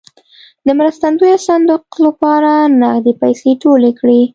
د مرستندویه صندوق لپاره نغدې پیسې ټولې کړې.